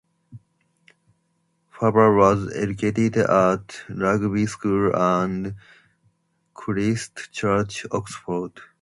Faber was educated at Rugby School and Christ Church, Oxford.